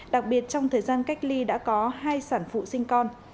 đặc biệt trong thời gian cách ly đã có hai sản phụ sinh con